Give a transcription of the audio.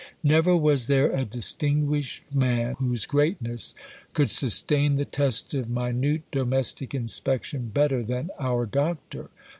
Never was there a distinguished man whose greatness could sustain the test of minute domestic inspection better than our Doctor.